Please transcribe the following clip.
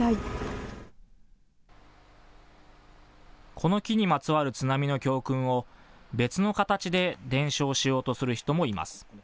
この木にまつわる津波の教訓を別の形で伝承しようとする人もいます。